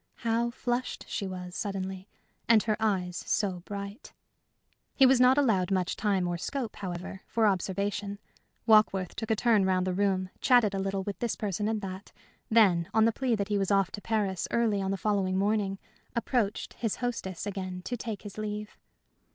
How flushed she was suddenly, and her eyes so bright! He was not allowed much time or scope, however, for observation. Warkworth took a turn round the room, chatted a little with this person and that, then, on the plea that he was off to Paris early on the following morning, approached his hostess again to take his leave.